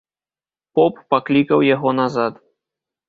Поп паклікаў яго назад.